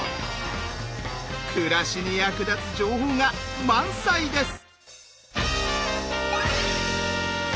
暮らしに役立つ情報が満載です！